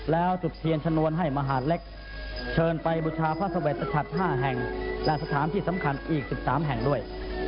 แล้วจุดเทียนชนวนให้มหาดเล็กเชิญไปบูชาพระสวรรตชัด๕แห่งและสถานที่สำคัญอีก๑๓แห่งด้วย